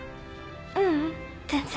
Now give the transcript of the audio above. ううん全然。